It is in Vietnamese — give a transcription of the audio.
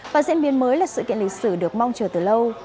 và diễn biến mới là sự kiện lịch sử được mong chờ từ lâu